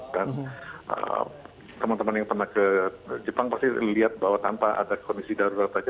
dan teman teman yang pernah ke jepang pasti lihat bahwa tanpa ada kondisi darurat saja